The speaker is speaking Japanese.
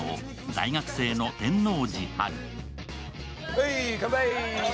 大学生の天王寺陽。